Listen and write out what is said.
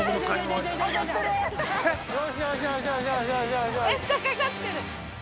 ◆めっちゃかかってる。